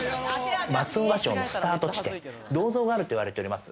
松尾芭蕉のスタート地点、銅像があると言われております。